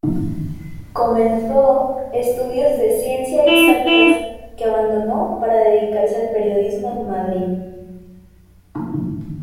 Comenzó estudios de ciencia exactas, que abandonó para dedicarse al periodismo en Madrid.